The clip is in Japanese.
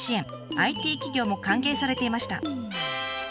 ＩＴ企業も歓迎されていました。